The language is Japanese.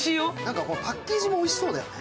パッケージもおいしそうだよね。